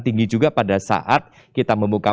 tinggi juga pada saat kita membuka